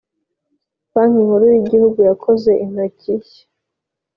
banki nkuru y’igihugu yakoze intoti shya